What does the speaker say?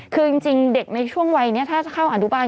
คือจริงเด็กในช่วงวัยนี้ถ้าจะเข้าอนุบาล